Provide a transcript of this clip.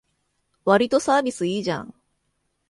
わりとサービスいいじゃん